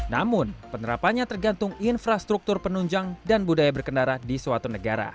namun penerapannya tergantung infrastruktur penunjang dan budaya berkendara di suatu negara